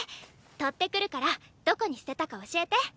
取ってくるからどこに捨てたか教えて。